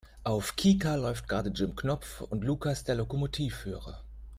Auf Kika läuft gerade Jim Knopf und Lukas der Lokomotivführer.